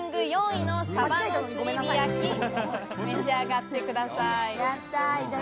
４位のさばの炭火焼き、召し上がってくださやった！